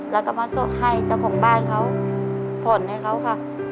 แล้วก็มาส่งให้เจ้าของบ้านเขาผ่อนให้เขาค่ะ